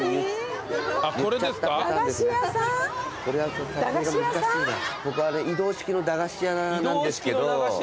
ここは移動式の駄菓子屋なんですけど。